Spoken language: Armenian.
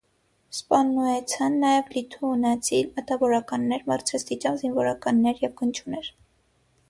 Սպաննուեցան նաեւ լիթուանացի մտաւորականներ, բարձրաստիճան զինուորականներ եւ գնչուներ։